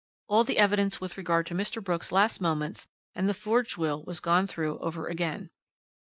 "All the evidence with regard to Mr. Brooks' last moments and the forged will was gone through over again.